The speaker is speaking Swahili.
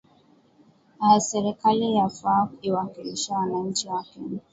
aa serikali yafaa iwakilishe wananchi wa kenya